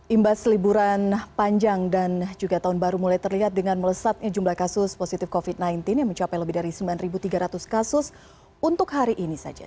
imbas liburan panjang dan juga tahun baru mulai terlihat dengan melesatnya jumlah kasus positif covid sembilan belas yang mencapai lebih dari sembilan tiga ratus kasus untuk hari ini saja